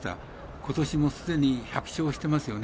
今年、すでに１００勝してますよね。